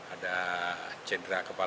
ada cedera kepala